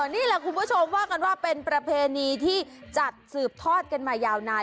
นี่แหละคุณผู้ชมว่ากันว่าเป็นประเพณีที่จัดสืบทอดกันมายาวนาน